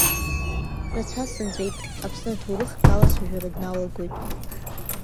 Рацәа сынҵәеит, Аԥсны аҭоурыхк алацәажәара дналагоит.